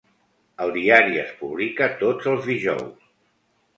El diari es publica tots els dijous.